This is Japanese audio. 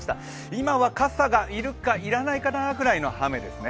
今は傘が要るか要らないかなぐらいの雨ですね。